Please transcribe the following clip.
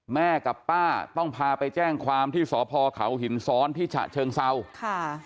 แม่กับป้าต้องพาไปแจ้งความที่สอยพอเขาหินศรที่เชียงเซาค่ะ